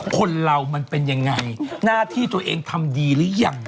คนเรามันเป็นยังไงหน้าที่ตัวเองทำดีหรือยัง